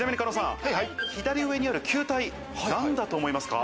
左上にある球体、何だと思いますか？